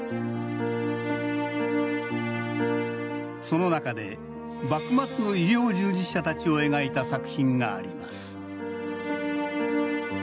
その中で幕末の医療従事者たちを描いた作品があります